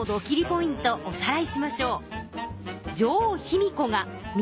ポイントおさらいしましょう。